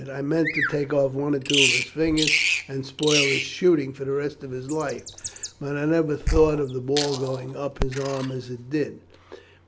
"I meant to take off one or two of his fingers, and spoil his shooting for the rest of his life; but I never thought of the ball going up his arm as it did."